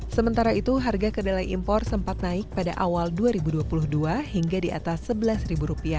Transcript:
sementara itu harga kedelai impor sempat naik pada awal dua ribu dua puluh dua hingga di atas rp sebelas